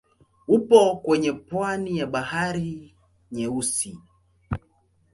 Upo kwenye pwani ya Bahari Nyeusi.